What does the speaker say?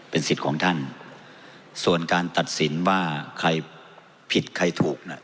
เป็นสิทธิ์ของท่านส่วนการตัดสินว่าใครผิดใครถูกน่ะ